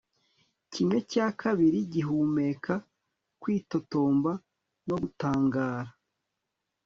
Kimwe cya kabiri gihumeka kwitotomba no gutangara